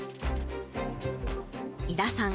井田さん。